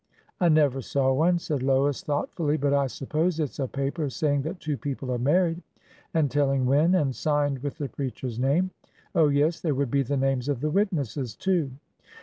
I never saw one," said Lois, thoughtfully ; but I suppose it 's a paper saying that two people are married, and telling when, and signed with the preacher's name. Oh, yes ; there would be the names of the witnesses, too."